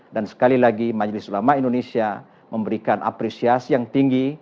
dan sekali lagi majelis ulama indonesia memberikan apresiasi yang tinggi